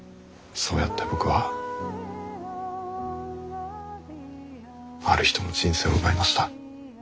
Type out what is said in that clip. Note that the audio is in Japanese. そうやって僕はある人の人生を奪いました。